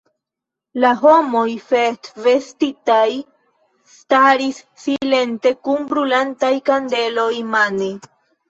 La homoj festvestitaj staris silente kun brulantaj kandeloj mane.